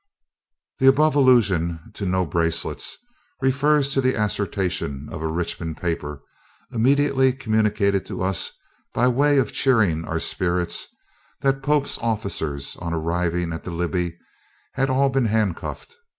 [The above allusion to "no bracelets" refers to the assertion of a Richmond paper, immediately communicated to us by way of cheering our spirits, that Pope's officers, on arriving at the Libby, had all been handcuffed.